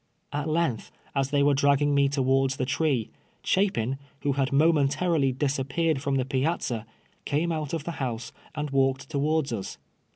At length, as they were dragging me towards the tree, Chapin, who had momentarily disappeared from the piazza, came out of the house and walked towards lis.